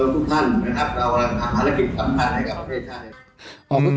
ทุกคนก็ไม่ยอมแพ้